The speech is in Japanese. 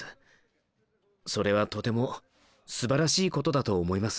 それはとてもすばらしいことだと思います。」）